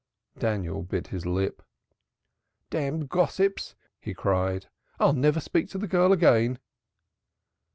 Daniel bit his lip. "Damned gossips!" he cried. "I'll never speak to the girl again."